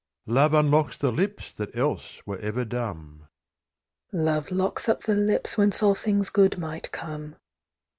Love unlocks the lips that else were ever dumb: "Love locks up the lips whence all things good might come."